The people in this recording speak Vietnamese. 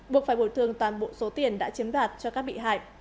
buộc phải bồi thường toàn bộ số tiền đã chiếm đoạt cho các bị hại